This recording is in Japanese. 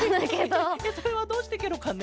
それはどうしてケロかね？